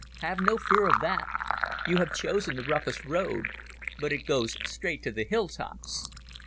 Have no fear of that. You have chosen the roughest road, but it goes straight to the hill tops."